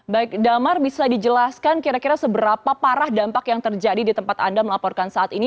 baik damar bisa dijelaskan kira kira seberapa parah dampak yang terjadi di tempat anda melaporkan saat ini